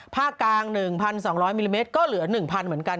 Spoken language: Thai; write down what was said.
ภาคกลาง๑๒๐๐มิลลิเมตรก็เหลือ๑๐๐เหมือนกัน